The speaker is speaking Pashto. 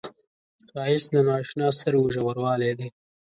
ښایست د نااشنا سترګو ژوروالی دی